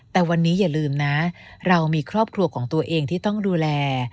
แต่วันนี้อย่าลืมนะเรามีครอบครัวของตัวเองที่ต้องดูแล